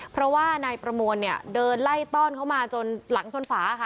เพราะว่านายประมวลเนี่ยเดินไล่ต้อนเข้ามาจนหลังชนฝาค่ะ